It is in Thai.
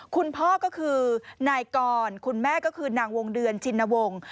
คุณพ่อก็คือนายกรคุณแม่ก็คือนางวงเดือนชินวงศ์